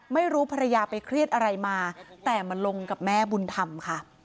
ไม่รู้ภรรยาไปเครียดอะไรมาแต่มาลงกับแม่บุญธรรมค่ะ